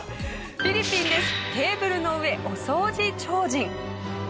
フィリピンです。